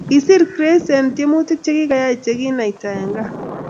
Kisiir Chris eng tyemutik chegiyay cheginaita eng gaa